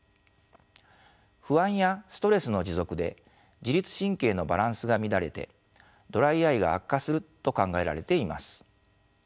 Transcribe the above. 不安やストレスの持続で自律神経のバランスが乱れてドライアイが悪化すると考えられています。